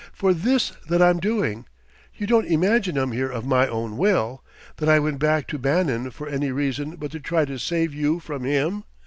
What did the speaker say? for this that I'm doing! You don't imagine I'm here of my own will? that I went back to Bannon for any reason but to try to save you from him?